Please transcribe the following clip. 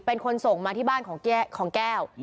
เป็นคนส่งมาที่บ้านของแก้ว